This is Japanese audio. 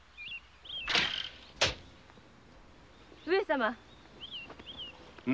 ・上様。